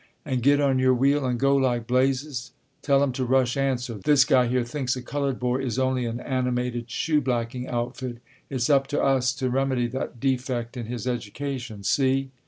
"And get on your wheel and go like blazes. Tell 'em to rush answer. This guy here thinks a colored boy is only an animated shoe blacking outfit; it's up to us to remedy that defect in his education, see!"